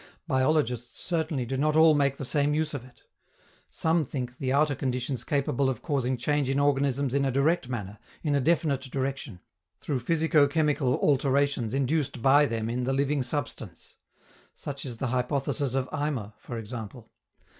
Biologists certainly do not all make the same use of it. Some think the outer conditions capable of causing change in organisms in a direct manner, in a definite direction, through physico chemical alterations induced by them in the living substance; such is the hypothesis of Eimer, for example.